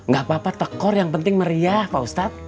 gak apa apa tekor yang penting meriah pak ustadz